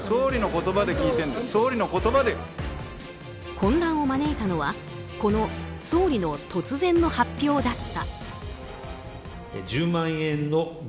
混乱を招いたのはこの総理の突然の発表だった。